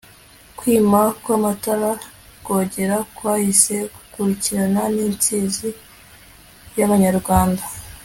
kwima kwa mutara rwogera kwahise gukurikirana n'intsinzi y'abanyarwanda